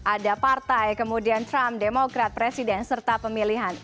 ada partai kemudian trump demokrat presiden serta pemilihan